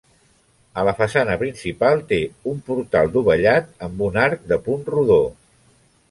A la façana principal té un portal dovellat amb un arc de punt rodó.